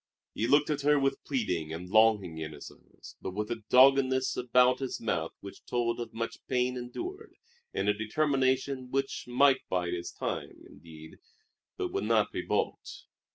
He looked at her with pleading and longing in his eyes, but with a doggedness about his mouth which told of much pain endured and a determination which might bide its time, indeed, but would not be balked.